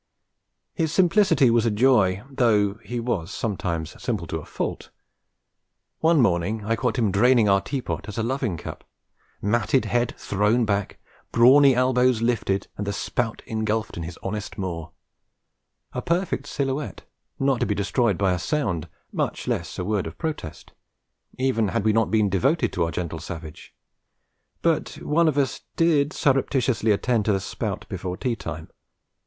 His simplicity was a joy, though he was sometimes simple to a fault. One morning I caught him draining our tea pot as a loving cup: matted head thrown back, brawny elbows lifted, and the spout engulfed in his honest maw: a perfect silhouette, not to be destroyed by a sound, much less a word of protest, even had we not been devoted to our gentle savage. But one of us did surreptitiously attend to the spout before tea time.